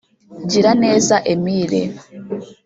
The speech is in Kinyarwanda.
Giraneza Emile